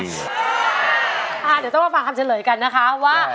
เอาเดี๋ยวต้องกลับไปฟังคำเฉลยกันนะคะว่า